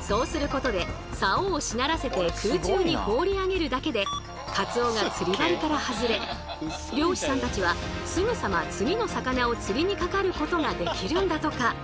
そうすることで竿をしならせて空中に放り上げるだけでカツオが釣り針から外れ漁師さんたちはすぐさま次の魚を釣りにかかることができるんだとか。